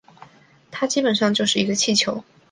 它基本上就是一个气球